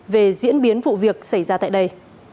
về diễn biến vụ việc xảy ra tại đây